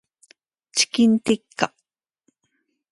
チキンティッカ